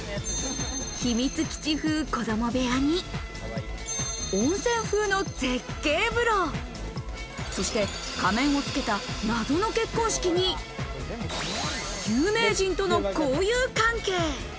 秘密基地風・子供部屋に、温泉風の絶景風呂、そして仮面をつけた謎の結婚式に、有名人との交友関係。